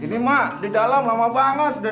ini mah di dalam lama banget